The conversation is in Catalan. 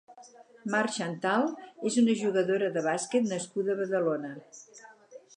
Mar Xantal és una jugadora de bàsquet nascuda a Badalona.